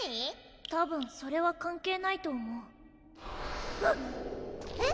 たぶんそれは関係ないと思う・・えっ？